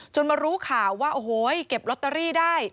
มารู้ข่าวว่าโอ้โหเก็บลอตเตอรี่ได้